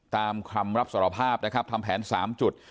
ตามคำรับสารภาพนะครับทำแผน๓จุด